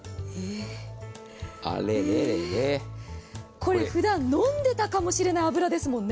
これ、ふだん飲んでたかもしれない脂ですもんね。